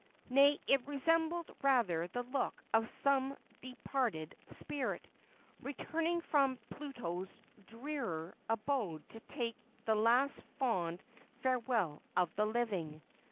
Nay, it resembled rather the look of some departed spirit, returning from Pluto's drear abode to take its last fond farewell of the living.